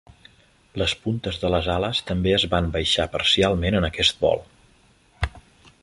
Les puntes de les ales també es van baixar parcialment en aquest vol.